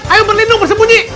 ayo berlindung bersembunyi